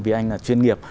vì anh là chuyên nghiệp